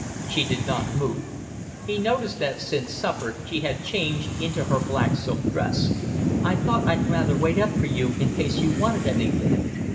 She did not move. He noticed that since supper she had changed into her black silk dress. "I thought I'd rather wait up for you in case you wanted anything."